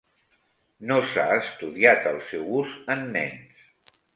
No s'ha estudiat el seu ús en nens.